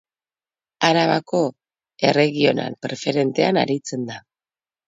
Arabako Erregional Preferentean aritzen da.